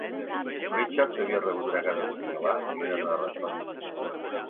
Richard havia rebut una carta similar i havia donat una resposta similar.